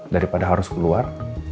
daripada harus keluar